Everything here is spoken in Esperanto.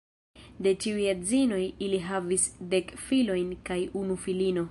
De ĉiuj edzinoj ili havis dek filojn kaj unu filino.